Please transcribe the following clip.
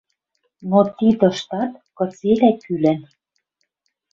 Но ти тыштат кыцелӓ кӱлӓн.